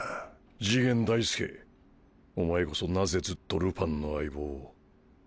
次元大介お前こそなぜずっとルパンの相棒を？